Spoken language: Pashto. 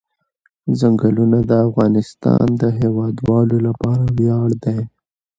ځنګلونه د افغانستان د هیوادوالو لپاره ویاړ دی.